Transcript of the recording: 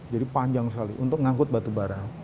jadi panjang sekali untuk ngangkut batubara